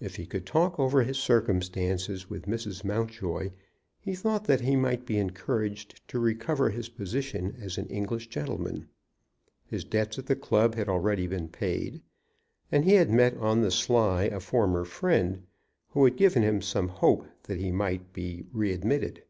If he could talk over his circumstances with Mrs. Mountjoy, he thought that he might be encouraged to recover his position as an English gentleman. His debts at the club had already been paid, and he had met on the sly a former friend, who had given him some hope that he might be re admitted.